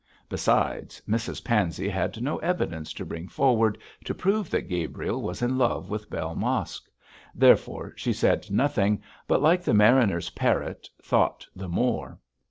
Besides, Mrs Pansey had no evidence to bring forward to prove that Gabriel was in love with Bell Mosk. Therefore she said nothing, but, like the mariner's parrot, thought the more.